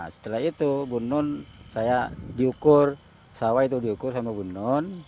setelah itu bu nun saya diukur sawah itu diukur sama bu nun